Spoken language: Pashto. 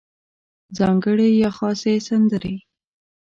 ځانګړې یا خاصې سندرې